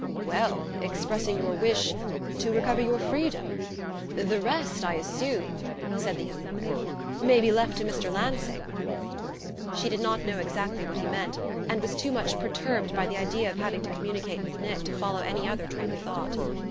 "Well, expressing your wish... to recover your freedom.... The rest, I assume," said the young lawyer, "may be left to Mr. Lansing." She did not know exactly what he meant, and was too much perturbed by the idea of having to communicate with Nick to follow any other train of thought.